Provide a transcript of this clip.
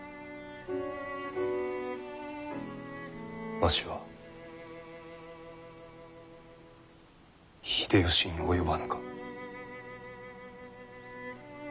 わしは秀吉に及ばぬか？